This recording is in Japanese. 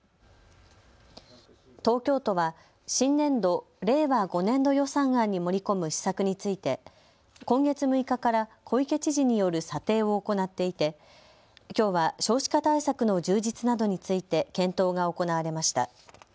東京都は新年度・令和５年度予算案に盛り込む施策について今月６日から小池知事による査定を行っていてきょうは少子化対策の充実などについて検討が行われました。